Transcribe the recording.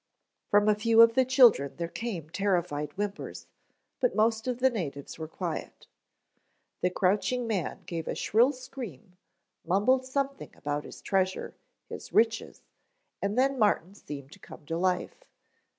From a few of the children there came terrified whimpers, but most of the natives were quiet. The crouching man gave a shrill scream, mumbled something about his treasure, his riches, and then Martin seemed to come to life.